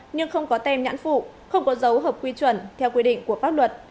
nhưng không có tem nhãn phụ không có dấu hợp quy chuẩn theo quy định của pháp luật